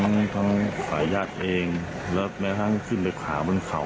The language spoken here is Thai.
ตามนี้คือขาอยาตเองทั้งสูงไปขาบนเข่า